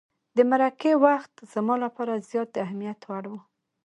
د مرکې وخت زما لپاره زیات د اهمیت وړ وو.